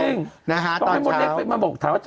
ตอนเช้าต้องให้มดเล็กมาบอกถามว่า